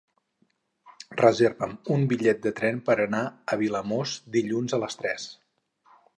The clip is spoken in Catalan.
Reserva'm un bitllet de tren per anar a Vilamòs dilluns a les tres.